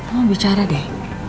mau bicara deh